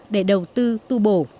để đầu tư tu bổ